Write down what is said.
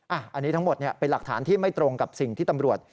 อันนี้ทั้งหมดเป็นหลักฐานที่ไม่ตรงกับสิ่งที่ตำรวจ